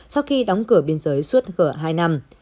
sau khi đóng cửa biên giới suốt g hai năm